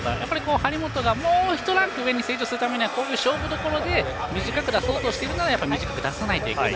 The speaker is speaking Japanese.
張本がもう１ランク上に成長するためにはこういう勝負どころで短く出そうとしているなら短く出さないとならない。